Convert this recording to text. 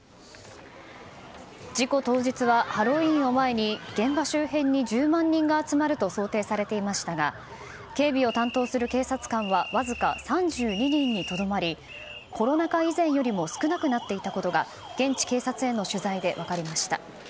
事故当日は、ハロウィーンを前に現場周辺に１０万人が集まると想定されていましたが警備を担当する警察官はわずか３２人にとどまりコロナ禍以前よりも少なくなっていたことが現地警察への取材で分かりました。